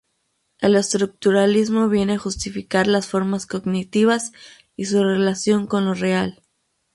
El estructuralismo viene a justificar las formas cognitivas y su relación con lo real.